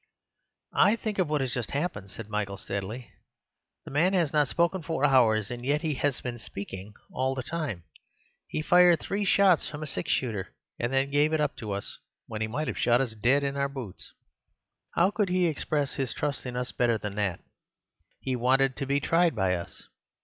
"I think of what has just happened," said Michael steadily. "The man has not spoken for hours; and yet he has been speaking all the time. He fired three shots from a six shooter and then gave it up to us, when he might have shot us dead in our boots. How could he express his trust in us better than that? He wanted to be tried by us.